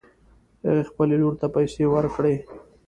هغې خپلې لور ته پیسې ورکړې